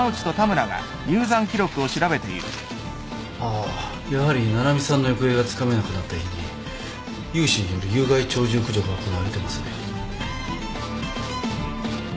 あやはり七海さんの行方がつかめなくなった日に有志による有害鳥獣駆除が行われてますね。